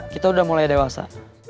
kita udah mulai dewasa